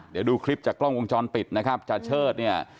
เดี๋ยวดูคลิปจากกล้องวงจรปิดนะครับจาเชิดเนี่ย